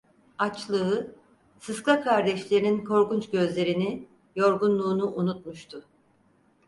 Açlığı, sıska kardeşlerinin korkunç gözlerini, yorgunluğunu unutmuştu.